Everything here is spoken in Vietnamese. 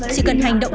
chỉ cần hành động